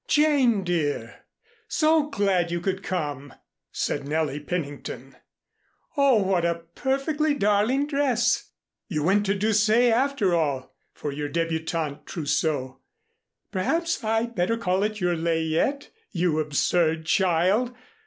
Jane, dear, so glad you could come!" said Nellie Pennington. "Oh, what a perfectly darling dress! You went to Doucet after all for your debutante trousseau. Perhaps, I'd better call it your layette you absurd child!